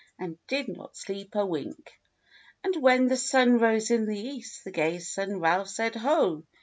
And did not sleep a wink. And when the sun rose in the East The Gays' son, Ralph, said, "Ho!